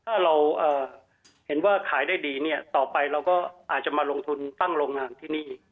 ถ้าเราเห็นว่าขายได้ดีเนี่ยต่อไปเราก็อาจจะมาลงทุนตั้งโรงงานที่นี่